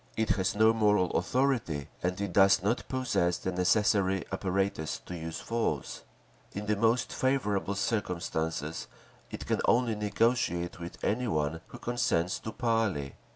It has no moral authority and it does not possess the necessary apparatus to use force…. In the most favourable circumstances it can only negotiate with any one who consents to parley.